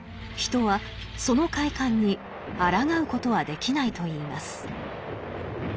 人はその快感にあらがうことはできないといいます。